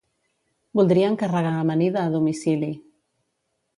Voldria encarregar amanida a domicili.